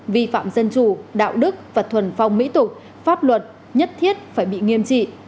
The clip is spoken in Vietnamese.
vi phạm dân chủ đạo đức và thuần phong mỹ tục pháp luật nhất thiết phải bị nghiêm trị